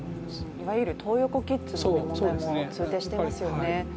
いわゆるトー横キッズの問題も広がっていますよね。